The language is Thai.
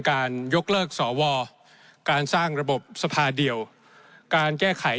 การยกเลิกสวการสร้างระบบสภาเดียวการแก้ไข